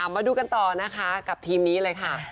มาดูกันต่อนะคะกับทีมนี้เลยค่ะ